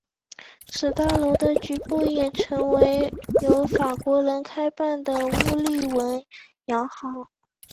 此大楼的局部也曾为由法国人开办的乌利文洋行。